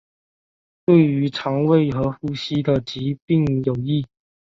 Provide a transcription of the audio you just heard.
对于胃肠和呼吸的疾病有益。